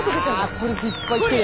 ストレスいっぱい来てる！